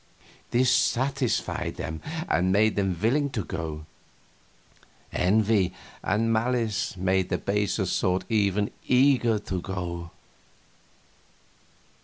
This satisfied them and made them willing to go; envy and malice made the baser sort even eager to go.